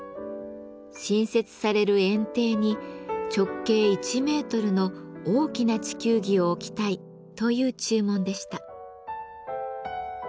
新設される園庭に直径１メートルの大きな地球儀を置きたいという注文でした。